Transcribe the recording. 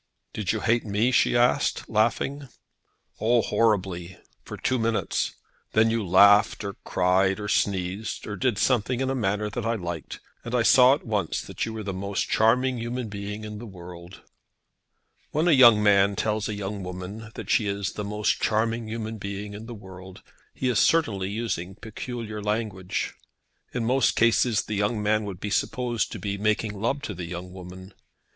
"Did you hate me?" she asked, laughing. "Oh, horribly, for two minutes. Then you laughed, or cried, or sneezed, or did something in a manner that I liked, and I saw at once that you were the most charming human being in the world." When a young man tells a young woman that she is the most charming human being in the world, he is certainly using peculiar language. In most cases the young man would be supposed to be making love to the young woman.